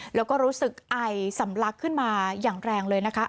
แล้วก็รู้สึกไอสำลักขึ้นมาอย่างแรงเลยนะคะ